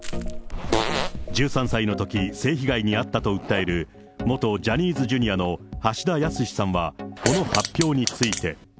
１３歳のとき性被害に遭ったと訴える、元ジャニーズＪｒ．の橋田康さんは、この発表について。